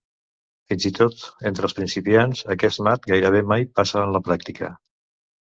Fins i tot entre els principiants, aquest mat gairebé mai passa en la pràctica.